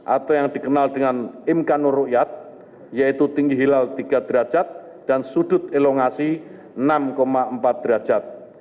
atau yang dikenal dengan imkanur rukyat yaitu tinggi hilal tiga derajat dan sudut elongasi enam empat derajat